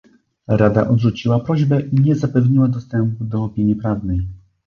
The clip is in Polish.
Rada odrzuciła prośbę i nie zapewniła dostępu do opinii prawnej